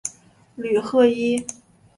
吕赫伊。